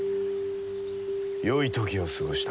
よい時を過ごした。